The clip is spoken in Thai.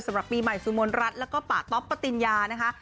สำหรับปีใหม่สุมนรัฐแล้วก็ป่าต๊อปปติญญานะคะ